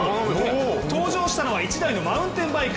登場したのは１台のマウンテンバイク。